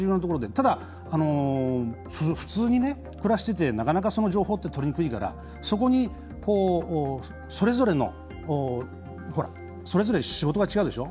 ただ、普通に暮らしててなかなか、その情報ってとりにくいからそれぞれ仕事が違うでしょ。